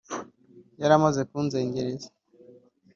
yari amaze kunzengereza